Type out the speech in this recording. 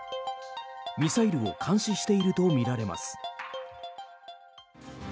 ミサイルを監視しているとみられます。